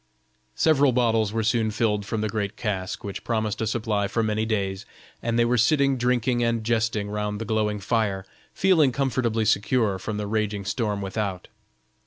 Several bottles were soon filled from the great cask, which promised a supply for many days, and they were sitting drinking and jesting round the glowing fire, feeling comfortably secured from the raging storm without.